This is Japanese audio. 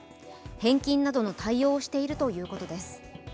返金などの対応をしているということです。